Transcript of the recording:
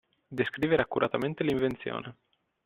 Descrivere accuratamente l'invenzione.